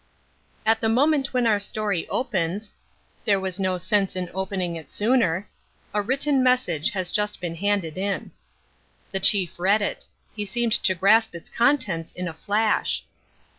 At the moment when our story opens (there was no sense in opening it sooner), a written message had just been handed in. The Chief read it. He seemed to grasp its contents in a flash.